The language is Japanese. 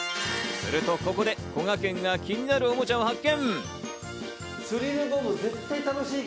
するとここで、こがけんが気になるおもちゃを発見。